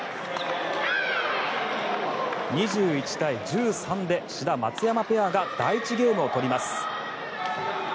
２１対１３で志田、松山ペアが第１ゲームを取ります。